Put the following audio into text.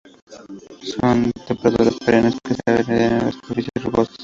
Son trepadoras perennes, que se adhieren a las superficies rugosas.